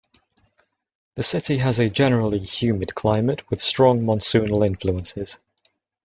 The city has a generally humid climate with strong monsoonal influences.